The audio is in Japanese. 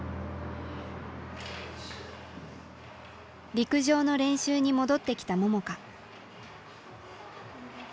陸上の練習に戻ってきた桃佳。